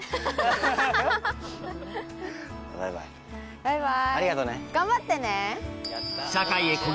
バイバイ。